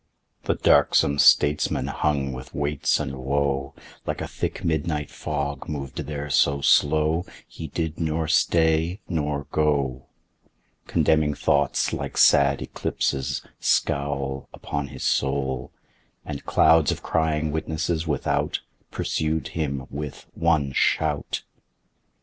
2. The darksome statesman hung with weights and woe Like a thick midnight fog mov'd there so slow He did nor stay, nor go; Condemning thoughts (like sad eclipses) scowl Upon his soul, And clouds of crying witnesses without Pursued him with one shout.